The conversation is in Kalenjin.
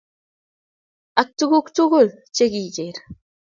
Ak tuguk tugul che kiger.